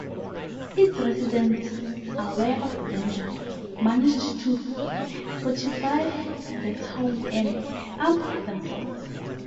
Its residents, aware of the danger, managed to fortify the town and arm themselves.